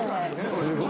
すごい。